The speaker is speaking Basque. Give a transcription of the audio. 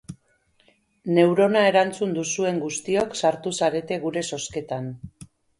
Neurona erantzun duzuen guztiok sartu zarete gure zozketan.